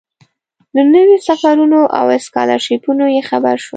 له نویو سفرونو او سکالرشیپونو یې خبر شم.